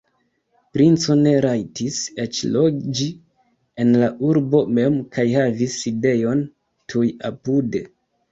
Princo ne rajtis eĉ loĝi en la urbo mem kaj havis sidejon tuj apude.